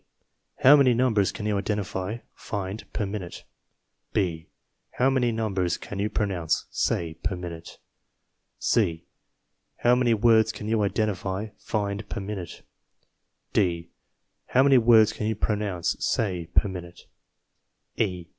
How many numbers can you identify (find) per minute? B. How many numbers can you pronounce (say) per minute? C How many words can you identify (find) per minute? D. How many words can you pronounce (say) per minute? E.